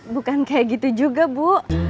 bukan kayak gitu juga bu